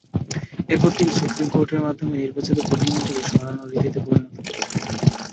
এরপর থেকে সুপ্রিম কোর্টের মাধ্যমে নির্বাচিত প্রধানমন্ত্রীকে সরানো রীতিতে পরিণত হয়েছে।